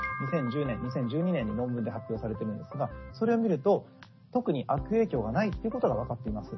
これが２０１０年２０１２年に論文で発表されてるんですがそれを見ると特に悪影響がないっていうことが分かっています。